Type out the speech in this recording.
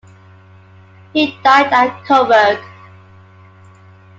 He died at Coburg.